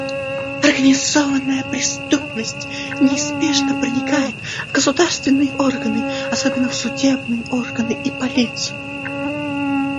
Организованная преступность неизбежно проникает в государственные органы, особенно в судебные органы и полицию.